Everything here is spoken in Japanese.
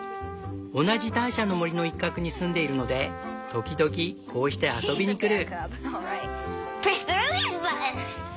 同じターシャの森の一角に住んでいるので時々こうして遊びに来る。